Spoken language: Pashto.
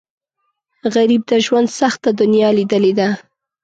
غریب د ژوند سخته دنیا لیدلې ده